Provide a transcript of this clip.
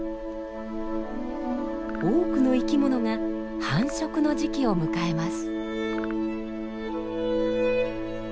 多くの生きものが繁殖の時期を迎えます。